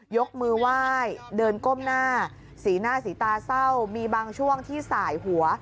ยกมือไหว้เดินก้มหน้าสีหน้าสีตาเศร้ามีบางช่วงที่สายหัว